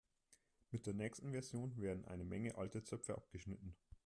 Mit der nächsten Version werden eine Menge alte Zöpfe abgeschnitten.